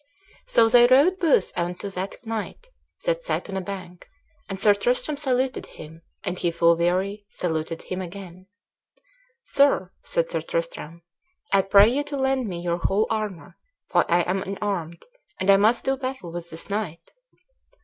So they rode both unto that knight that sat on a bank; and Sir Tristram saluted him, and he full weary saluted him again. "Sir," said Sir Tristram, "I pray you to lend me your whole armor; for I am unarmed, and I must do battle with this knight."